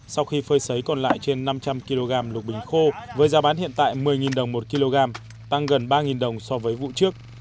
sau khi phơi xấy còn lại trên năm trăm linh kg lục bình khô với giá bán hiện tại một mươi đồng một kg tăng gần ba đồng so với vụ trước